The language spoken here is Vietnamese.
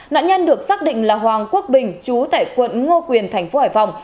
nạn nhân được xác định là hoàng quốc bình chú tại quận ngô quyền thành phố hải phòng